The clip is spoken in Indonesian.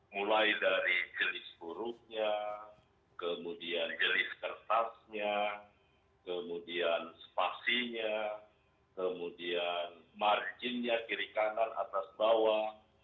mulai dari jenis buruknya kemudian jenis kertasnya kemudian spasinya kemudian marginnya kiri kanan atas bawah